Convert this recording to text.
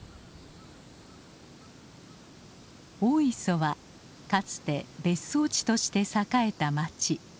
大磯はかつて別荘地として栄えた町。